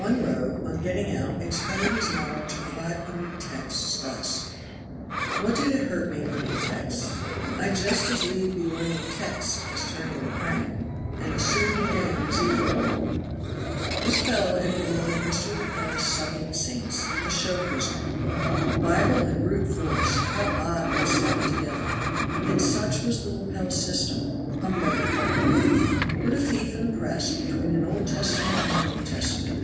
One rogue on getting out explained his knowledge of five hundred texts thus: "What did it hurt me learning texts? I'd just as lieve be learning texts as turning a crank, and as soon be d d as either." This fellow had been one of Mr. Lepel's sucking saints a show prisoner. The Bible and brute force how odd they sound together! Yet such was the Lepel system, humbug apart. Put a thief in a press between an Old Testament and a New Testament.